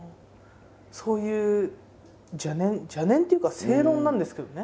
そういう邪念邪念っていうか正論なんですけどね。